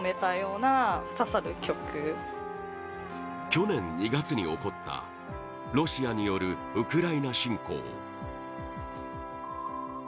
去年２月に起こったロシアによるウクライナ侵攻